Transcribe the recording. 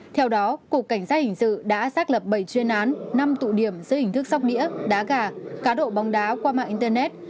theo đó cục cảnh sát hình sự đã xác lập bảy chuyên án năm tụ điểm giữa hình thức sóc đĩa đá gà cá độ bóng đá qua mạng internet